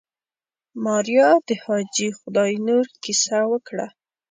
ماريا د حاجي خداينور کيسه وکړه.